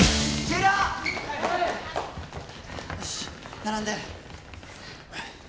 よし並んで。